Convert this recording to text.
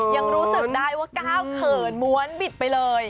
ยังรู้สึกได้ว่าก้าวเขินม้วนบิดไปเลย